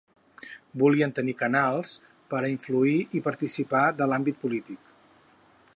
Volien tenir canals per a influir i participar de l’àmbit polític.